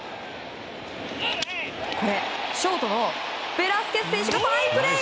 ショートのベラスケス選手がファインプレー！